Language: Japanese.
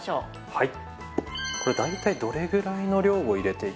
はい。